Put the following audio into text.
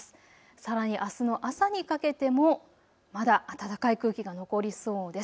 さらにあすの朝にかけてもまだ暖かい空気が残りそうです。